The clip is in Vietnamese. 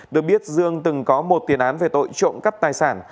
được biết dương từng có một tiền án về tội trộm cắp tài sản